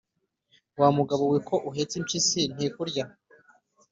"Wa mugabo we ko uhetse impyisi ntikurya?"